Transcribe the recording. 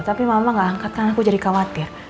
tapi mama gak angkat tangan aku jadi khawatir